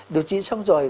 điều trị xong rồi